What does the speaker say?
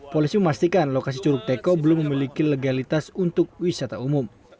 polisi memastikan lokasi curug teko belum memiliki legalitas untuk wisata umum